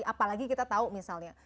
apalagi kita tahu misalnya